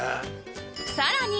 さらに